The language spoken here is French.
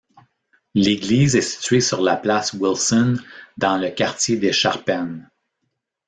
L'église est située sur la place Wilson, dans le quartier des Charpennes.